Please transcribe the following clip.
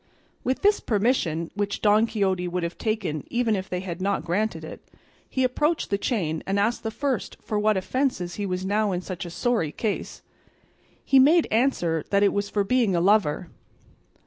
With this permission, which Don Quixote would have taken even had they not granted it, he approached the chain and asked the first for what offences he was now in such a sorry case. He made answer that it was for being a lover.